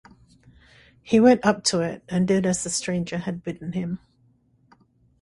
He went up to it and did as the stranger had bidden him.